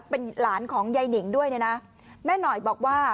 เป็นหลานของยายหนิงด้วยเนี่ยนะแม่หน่อยบอกว่า